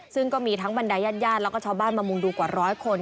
ซึ่งก็มีทั้งบันไดญาติยาดแล้วก็ชาวบ้านมามุมดูกว่า๑๐๐คน